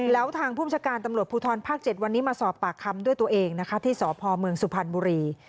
แล้วทางผู้บัญชาการตำรวจภูทรภาค๗วันนี้มาสอบปากคำด้วยตัวเองนะคะที่สพเมืองสุพรรณบุรี